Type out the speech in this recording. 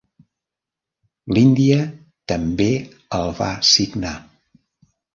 L'Índia també el va signar.